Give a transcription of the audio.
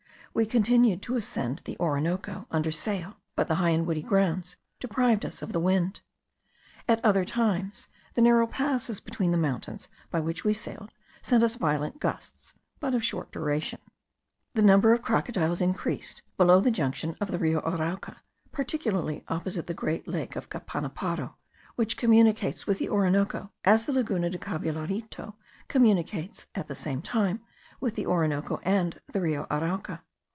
We continued to ascend the Orinoco under sail, but the high and woody grounds deprived us of the wind. At other times the narrow passes between the mountains by which we sailed, sent us violent gusts, but of short duration. The number of crocodiles increased below the junction of the Rio Arauca, particularly opposite the great lake of Capanaparo, which communicates with the Orinoco, as the Laguna de Cabullarito communicates at the same time with the Orinoco and the Rio Arauca.